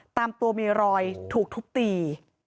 ตามตัวมีรอยถูกทุบตี